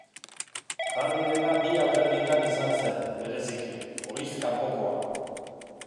Hardyrena bi alderditan izan zen, bereziki, ohiz kanpokoa.